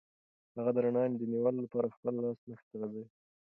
هغه د رڼا د نیولو لپاره خپل لاس مخې ته غځوي.